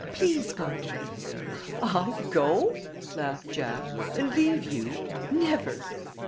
"Please go!" "I go?" laughed Jack. "And leave you? Never!"